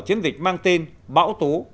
chiến dịch mang tên bão tố